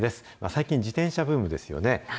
最近、自転車ブームですよね。